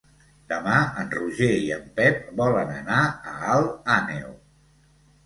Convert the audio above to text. Demà en Roger i en Pep volen anar a Alt Àneu.